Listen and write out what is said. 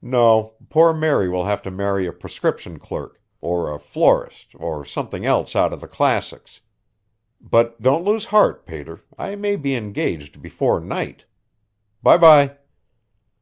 No, poor Mary will have to marry a prescription clerk, or a florist or something else out of the classics. But, don't lose heart, pater, I may be engaged before night. By by."